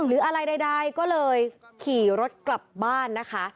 หรืออะไรใดก็เลยขี่รถกลับบ้านนะคะ